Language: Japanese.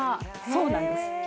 そうなんです。